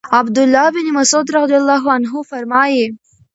عَبْد الله بن مسعود رضی الله عنه فرمايي: